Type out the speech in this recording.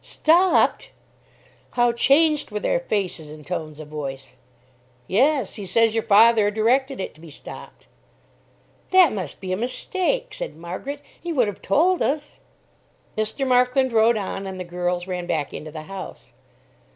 "Stopped!" How changed were their faces and tones of voice. "Yes. He says your father directed it to be stopped." "That must be a mistake," said Margaret. "He would have told us." Mr. Markland rode on, and the girls ran back into the house.